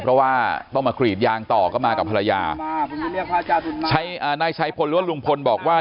เพราะว่าต้องมาขรีดยางต่อก็มากับภรรยาใช้อ่านายใช้พลล้วนลุงพลบอกว่า